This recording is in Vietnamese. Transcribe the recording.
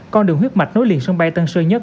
con đường huyết mạch nối liền sân bay tân sơn nhất